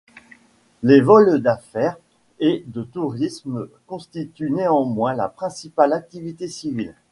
Les vols d'affaire et de tourisme constituent néanmoins sa principale activité civile.